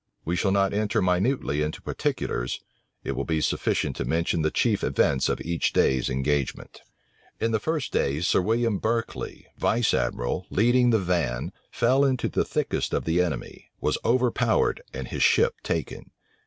We shall not enter minutely into particulars. It will be sufficient to mention the chief events of each day's engagement. In the first day, Sir William Berkeley, vice admiral, leading the van, fell into the thickest of the enemy, was overpowered, and his ship taken.